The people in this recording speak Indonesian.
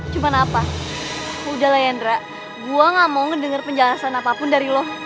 cuman apa udah lah yandra gua gak mau ngedenger penjelasan apapun dari lo